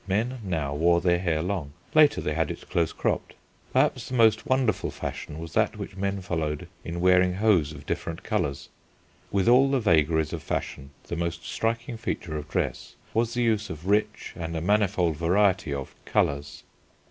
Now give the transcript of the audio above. Men now wore their hair long; later they had it close cropped. Perhaps the most wonderful fashion was that which men followed in wearing hose of different colours. With all the vagaries of fashion the most striking feature of dress was the use of rich and a manifold variety of colours.